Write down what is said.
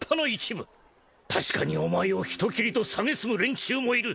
確かにお前を「人斬り」とさげすむ連中もいる！